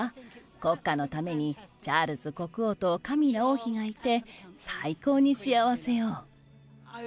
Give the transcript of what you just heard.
国家のためにチャールズ国王とカミラ王妃がいて、最高に幸せよ。